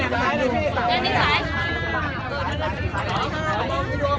แม่กับผู้วิทยาลัย